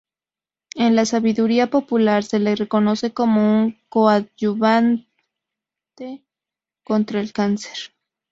En la sabiduría popular, se le reconoce como un coadyuvante contra el cáncer.